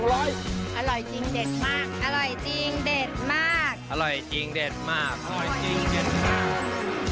อร่อยจริงเด็ดมากอร่อยจริงเด็ดมาก